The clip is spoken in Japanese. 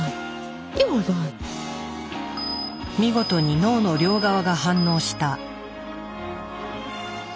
見事に脳の両側が反応した。